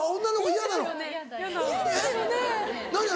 嫌だ。